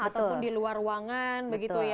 ataupun di luar ruangan begitu ya